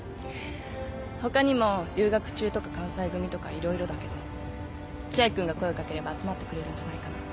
ほかにも留学中とか関西組とかいろいろだけど千秋君が声をかければ集まってくれるんじゃないかな？